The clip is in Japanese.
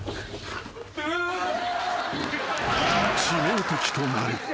［致命的となる］